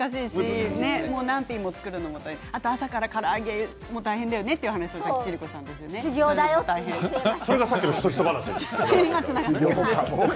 彩りが難しいし何日も作るのも大変朝からから揚げは大変だよねという話を千里子さんと話していました。